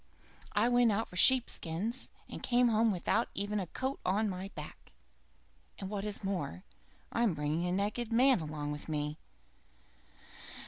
I went out for sheep skins and come home without even a coat to my back, and what is more, I'm bringing a naked man along with me.